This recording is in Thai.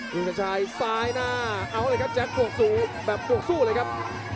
คุณสัญชัยซ้ายหน้าเอาเลยครับแจ๊คบวกสู้แบบบวกสู้เลยครับ